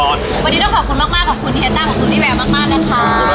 วันนี้ต้องขอบคุณมากขอบคุณเฮียตั้มของทูกดีแบบมาก